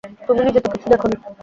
তুমি নিজে তো কিছু দেখ নি।